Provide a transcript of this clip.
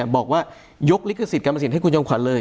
บอกว่ายกลิขสิทธิการประสิทธิให้คุณจอมขวัญเลย